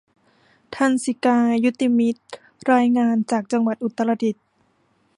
ทรรศิกา ยุติมิตร รายงานจากจังหวัดอุตรดิตถ์